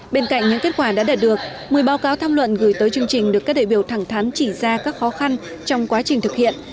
bên cạnh những kết quả đã đạt được một mươi báo cáo tham luận gửi tới chương trình được các đại biểu thẳng thắn chỉ ra các khó khăn trong quá trình thực hiện